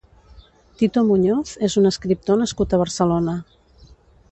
Tito Muñoz és un escriptor nascut a Barcelona.